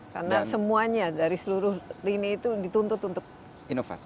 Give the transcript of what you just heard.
karena semuanya dari seluruh lini itu dituntut untuk berinovasi